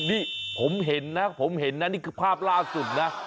นี่ผมเห็นนะผมเห็นนะนี่คือภาพล่าสุดนะ